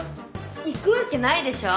行くわけないでしょ！